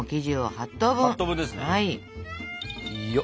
８等分ですね。